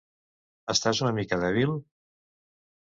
Estàs una mica dèbil?